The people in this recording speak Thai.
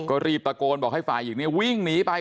ก็รีบตะโกนบอกให้ฝ่ายหญิงเนี่ยวิ่งหนีไป